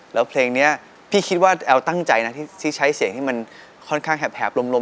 แล้วเพลงนี้พี่คิดว่าแอลตั้งใจนะที่ใช้เสียงที่มันค่อนข้างแหบลม